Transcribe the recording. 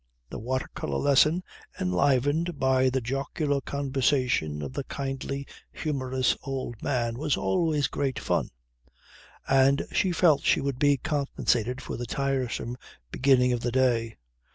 The water colour lesson enlivened by the jocular conversation of the kindly, humorous, old man was always great fun; and she felt she would be compensated for the tiresome beginning of the day.